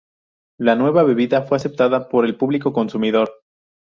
La nueva bebida fue aceptada por el público consumidor.